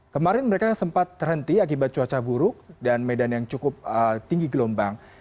kemarin mereka sempat terhenti akibat cuaca buruk dan medan yang cukup tinggi gelombang